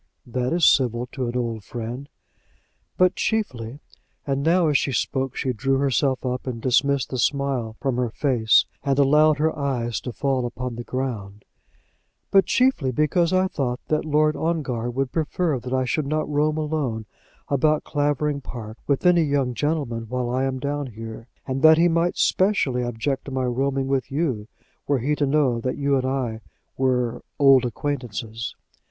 "That is civil to an old friend." "But chiefly," and now as she spoke she drew herself up, and dismissed the smile from her face, and allowed her eyes to fall upon the ground; "but chiefly because I thought that Lord Ongar would prefer that I should not roam alone about Clavering Park with any young gentleman while I am down here; and that he might specially object to my roaming with you, were he to know that you and I were old acquaintances.